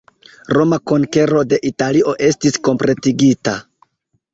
Roma konkero de Italio estis kompletigita.